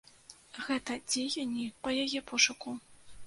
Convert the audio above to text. Гэта дзеянні па яе пошуку.